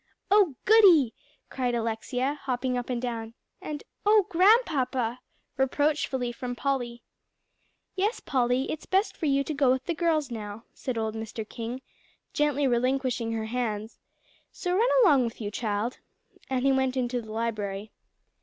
"Oh goody!" cried Alexia, hopping up and down. And "Oh Grandpapa!" reproachfully from Polly. "Yes, Polly, it's best for you to go with the girls now," said old Mr. King, gently relinquishing her hands, "so run along with you, child." And he went into the library.